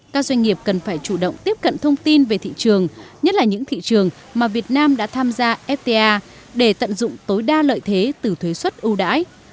các doanh nghiệp cần phải chủ động tiếp cận thông tin về thị trường nhất là những thị trường mà việt nam đã tham gia fta để tận dụng tối đa lợi thế từ thuế xuất ưu đãi